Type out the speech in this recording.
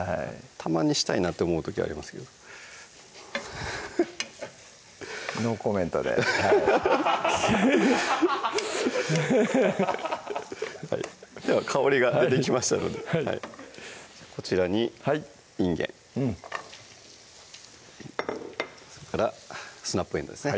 たまにしたいなって思う時ありますけどフフッノーコメントででは香りが出てきましたのでこちらにいんげんそれからスナップえんどうですね